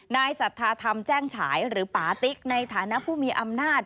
นายสัทธาธรรมแจ้งฉายหรือปาติ๊กในฐานะผู้มีอำนาจ